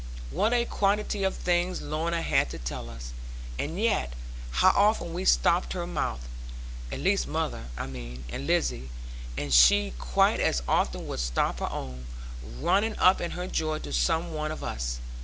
What a quantity of things Lorna had to tell us! And yet how often we stopped her mouth at least mother, I mean, and Lizzie and she quite as often would stop her own, running up in her joy to some one of us!